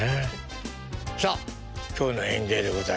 さあ今日の演芸でございます。